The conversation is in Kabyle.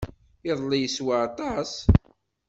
Iḍelli yeswa aṭas.